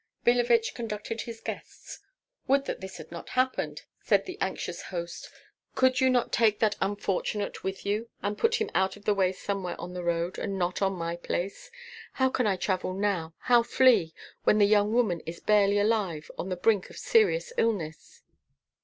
Billevich conducted his guests. "Would that this had not happened!" said the anxious host. "Could you not take that unfortunate with you, and put him out of the way somewhere on the road, and not on my place? How can I travel now, how flee, when the young woman is barely alive, on the brink of serious illness?"